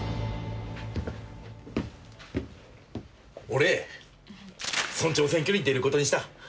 俺村長選挙に出ることにした。